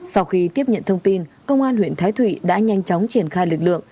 sau khi tiếp nhận thông tin công an huyện thái thụy đã nhanh chóng triển khai lực lượng